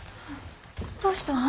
どうしたの？